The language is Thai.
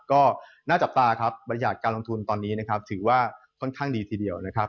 ก็น่าจับตาครับบรรยากาศการลงทุนตอนนี้นะครับถือว่าค่อนข้างดีทีเดียวนะครับ